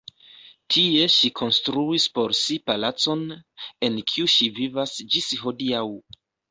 Tie ŝi konstruis por si palacon, en kiu ŝi vivas ĝis hodiaŭ.